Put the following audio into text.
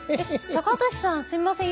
高利さんすいません